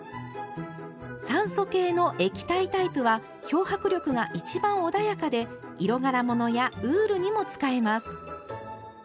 酸素系の液体タイプは漂白力が一番穏やかで色柄物やウールにも使えます。